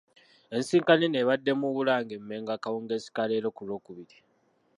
Ensisinkano eno ebadde mu Bulange e Mmengo akawungeezi ka leero ku Lwookubiri.